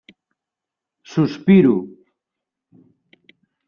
Sospiro.